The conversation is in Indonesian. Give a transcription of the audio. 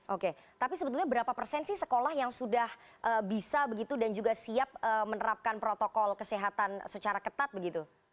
oke tapi sebetulnya berapa persen sih sekolah yang sudah bisa begitu dan juga siap menerapkan protokol kesehatan secara ketat begitu